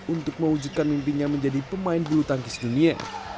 untuk mewujudkan mimpinya menjadi pemain bulu tangkis dunia